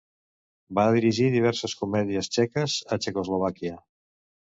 Va dirigir diverses comèdies txeques a Txecoslovàquia.